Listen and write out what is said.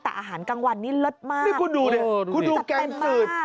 แต่อาหารกลางวันนี้เลิศมากนี่คุณดูดิคุณดูจากเต็มจืด